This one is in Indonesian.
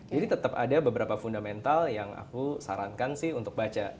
jadi tetap ada beberapa fundamental yang aku sarankan sih untuk baca